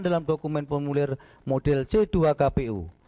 dalam dokumen formulir model c dua kpu